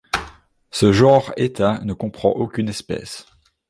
Ce genre éteint ne comprend aucune espèce.